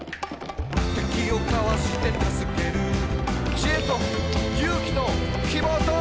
「敵をかわして助ける」「知恵と勇気と希望と」